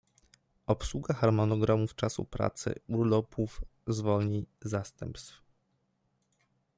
Obsługa harmonogramów czasu pracy, urlopów, zwolnień, zastępstw